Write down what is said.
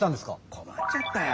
こまっちゃったよ。